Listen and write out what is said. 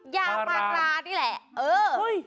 ยามารานี่แหละเออ